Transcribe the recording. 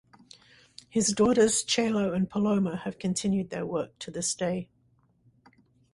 His daughters Chelo and Paloma have continued their work to this day.